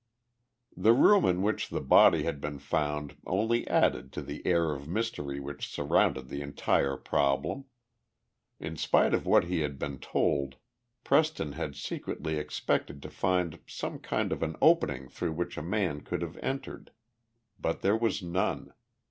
The room in which the body had been found only added to the air of mystery which surrounded the entire problem. In spite of what he had been told Preston had secretly expected to find some kind of an opening through which a man could have entered. But there was none.